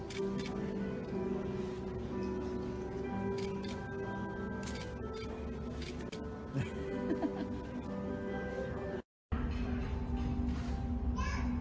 ขอบคุณภาพให้กับคุณผู้ฝ่าย